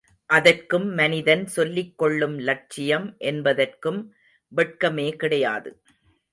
அதற்கும் மனிதன் சொல்லிக் கொள்ளும் லட்சியம் என்பதற்கும் வெட்கமே கிடையாது.